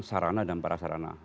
sarana dan parasarana